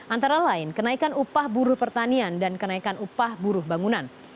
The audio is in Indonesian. antara lain kenaikan upah buruh pertanian dan kenaikan upah buruh bangunan